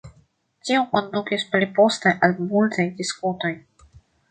Tio kondukis pli poste al multaj diskutoj.